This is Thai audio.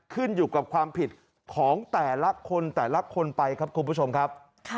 ขึ้นอยู่กับความผิดของแต่ละคนแต่ละคนไปครับคุณผู้ชมครับ